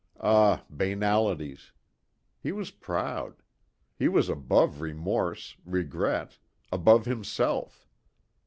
Ah, banalities. He was proud. He was above remorse, regret; above himself.